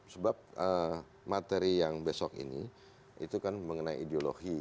sebab materi yang besok ini itu kan mengenai ideologi